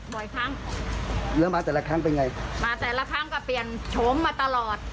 บ่อยครั้งแล้วมาแต่ละครั้งเป็นไงมาแต่ละครั้งก็เปลี่ยนโฉมมาตลอด